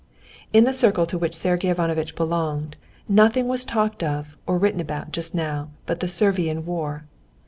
In the circle to which Sergey Ivanovitch belonged, nothing was talked of or written about just now but the Servian War.